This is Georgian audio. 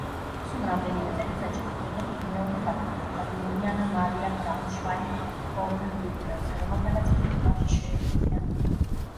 სულ რამდენიმე წელიწადში კი ფრედერიკი მეორედ დაქორწინდა იულიანა მარია ბრაუნშვაიგ-ვოლფენბიუტელზე, რომელთანაც ერთი ვაჟი შეეძინა.